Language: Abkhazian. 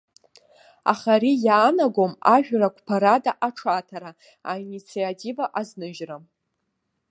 Аха ари иаанагом ажәра қәԥарада аҽаҭара, аинициатива азныжьра.